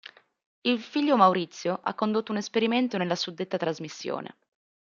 Il figlio Maurizio ha condotto un esperimento nella suddetta trasmissione.